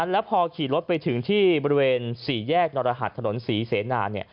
แล้วพอขี่รถไปถึงที่บริเวณ๔แยกนรหัสถนนศรีเสนา